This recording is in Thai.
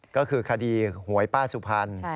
ก็คือคดีหวยป้าสุพรรณ